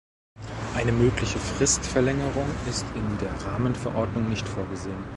Eine mögliche Fristverlängerung ist in der Rahmenverordnung nicht vorgesehen.